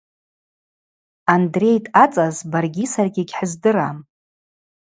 Андрей дъацаз баргьи саргьи йыгьхӏыздырам.